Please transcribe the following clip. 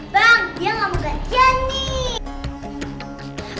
bang dia gak mau gantian nih